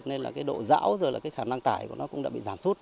nên độ dão và khả năng tải của nó cũng đã bị giảm suốt